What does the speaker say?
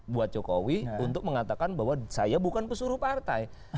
buat jokowi untuk mengatakan bahwa saya bukan pesuruh partai